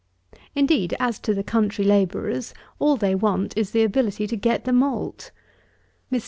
60. Indeed, as to the country labourers, all they want is the ability to get the malt. Mr.